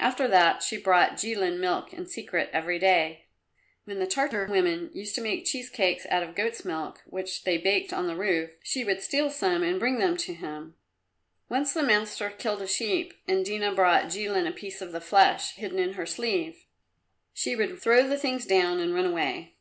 After that she brought Jilin milk in secret every day. When the Tartar women used to make cheese cakes out of goat's milk, which they baked on the roof, she would steal some and bring them to him. Once the master killed a sheep, and Dina brought Jilin a piece of the flesh hidden in her sleeve. She would throw the things down and run away.